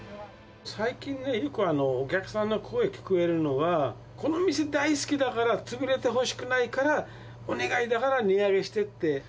最近ね、よくお客さんの声聞こえるのは、この店大好きだから、潰れてほしくないから、お願いだから値上げしてって。